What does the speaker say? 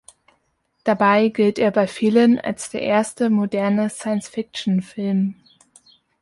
Dabei gilt er bei vielen als der erste moderne Science-Fiction-Film.